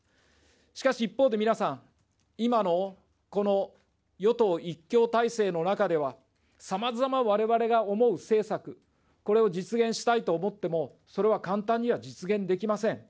しかし一方で皆さん、今のこの与党一強体制の中では、さまざま、われわれが思う政策、これを実現したいと思っても、それは簡単には実現できません。